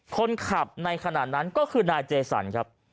คนขับในขณะนั้นก็คือนายเจสันครับ